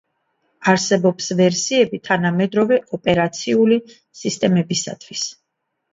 არსებობს ვერსიები თანამედროვე ოპერაციული სისტემებისათვის.